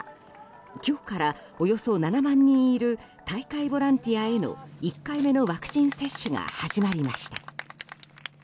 今日から、およそ７万人いる大会ボランティアへの１回目のワクチン接種が始まりました。